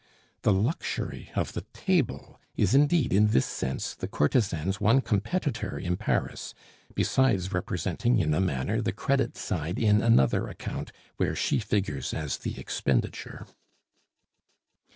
The luxury of the table is indeed, in this sense, the courtesan's one competitor in Paris, besides representing in a manner the credit side in another account, where she figures as the expenditure.